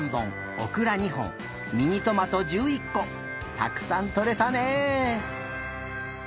たくさんとれたね！